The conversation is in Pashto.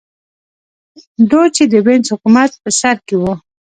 دوج چې د وینز حکومت په سر کې و